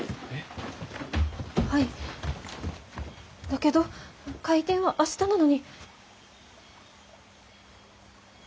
だけど開店は明日なのに。